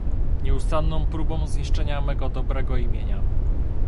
Nieustanną próbą zniszczenia mego dobrego imienia